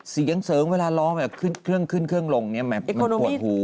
เสียงเสริงเวลาล้อเครื่องขึ้นเครื่องลงแบบมันปวดหู